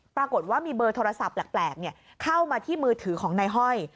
ปรากฏว่ามีเบอร์โทรศัพท์แปลกเข้ามาที่มือถือของนายห้อย